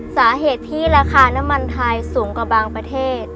สาเหตุที่ราคาน้ำมันไทยสูงกว่าบางประเทศ